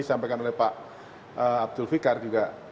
disampaikan oleh pak abdul fikar juga